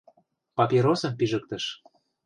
Папиросым пижыктыш.